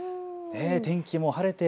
天気も晴れて。